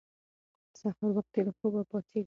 سهار وختي له خوبه پاڅېږئ.